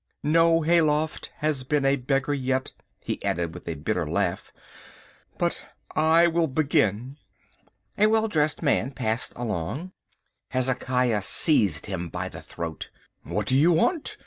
No Hayloft has been a beggar yet," he added with a bitter laugh, "but I will begin." A well dressed man passed along. Hezekiah seized him by the throat. "What do you want?"